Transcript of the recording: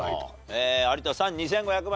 えー有田さん２５００万。